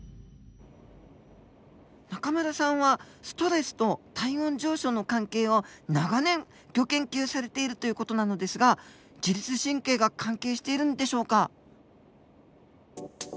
中村さんはストレスと体温上昇の関係を長年ギョ研究されているという事なのですが自律神経が関係しているんでしょうか？